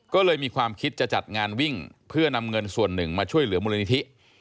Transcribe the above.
ก็เลยมีความคิดจะจัดงานวิ่งเพื่อนำเงินส่วนหนึ่งมาช่วยเหลือมูลนิธิ